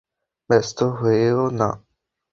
ব্যাস্ত হয়ো না।